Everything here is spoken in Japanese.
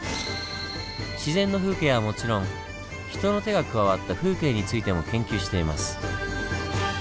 自然の風景はもちろん人の手が加わった風景についても研究しています。